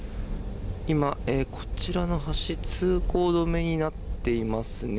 今、こちらの橋通行止めになっていますね。